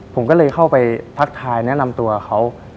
ผมก็เลยเข้าไปทักทายแนะนำตัวเขา